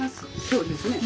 そうですね。